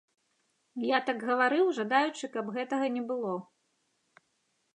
Я так гаварыў, жадаючы, каб гэтага не было.